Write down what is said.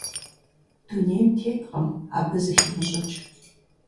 Дунейм теткъым абы зыхимыщӀыкӀ.